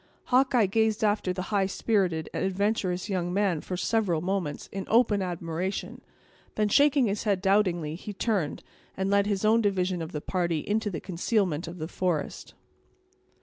Hawkeye gazed after the high spirited and adventurous young man for several moments, in open admiration; then, shaking his head doubtingly, he turned, and led his own division of the party into the concealment of the forest.